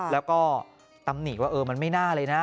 แล้วก็ตำหนิว่ามันไม่น่าเลยนะ